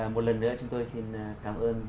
một lần nữa chúng tôi xin cảm ơn